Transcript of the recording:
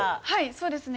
そうですね。